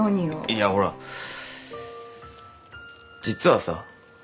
いやほら実はさ